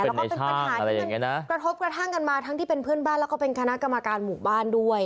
แล้วก็เป็นปัญหาที่มันกระทบกระทั่งกันมาทั้งที่เป็นเพื่อนบ้านแล้วก็เป็นคณะกรรมการหมู่บ้านด้วย